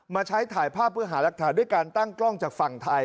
มาใช้ถ่ายภาพเพื่อหารักฐานด้วยการตั้งกล้องจากฝั่งไทย